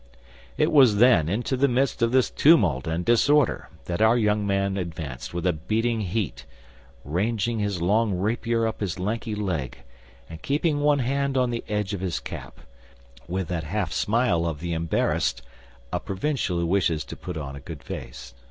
It was, then, into the midst of this tumult and disorder that our young man advanced with a beating heart, ranging his long rapier up his lanky leg, and keeping one hand on the edge of his cap, with that half smile of the embarrassed provincial who wishes to put on a good face.